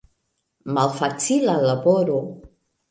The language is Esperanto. Malfacila laboro!